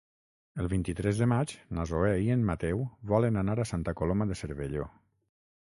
El vint-i-tres de maig na Zoè i en Mateu volen anar a Santa Coloma de Cervelló.